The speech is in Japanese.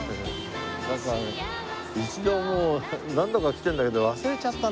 なんか一度もう何度か来てるんだけど忘れちゃったね。